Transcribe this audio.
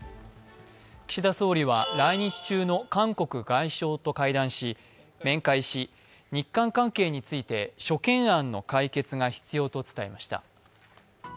岸田総理は来日中の韓国外相と面会し日韓関係について諸懸案の解決が必要と伝えました。